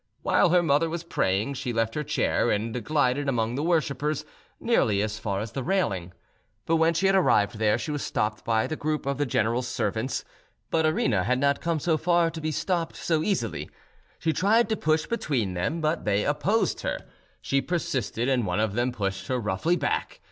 While her mother was praying, she left her chair and glided among the worshippers, nearly as far as the railing. But when she had arrived there, she was stopped by the group of the general's servants. But Arina had not come so far to be, stopped so easily: she tried to push between them, but they opposed her; she persisted, and one of them pushed her roughly back.